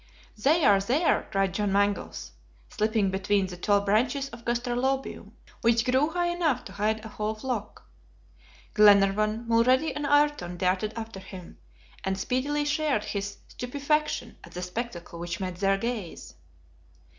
"They are there!" cried John Mangles, slipping between the tall branches of gastrolobium, which grew high enough to hide a whole flock. Glenarvan, Mulrady, and Ayrton darted after him, and speedily shared his stupefaction at the spectacle which met their gaze.